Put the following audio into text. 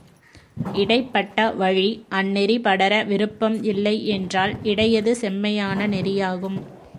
இடைப் பட்ட வழி அந்நெறி படர விருப்பம் இல்லை என்றால் இடையது செம்மையான நெறியாகும்.